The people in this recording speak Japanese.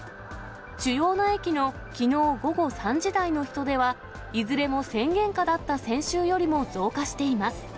主要な駅のきのう午後３時台の人出は、いずれも宣言下だった先週よりも増加しています。